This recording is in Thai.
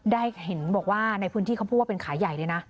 ได้เห็นบอกว่าในพื้นที่เขาพูดว่าเป็นขายใหญ่เลยนะ